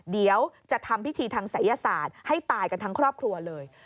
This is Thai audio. เดี๋ยวจะทำพิธีทางศัยศาสตร์ให้ตายกันทั้งครอบครัวเลย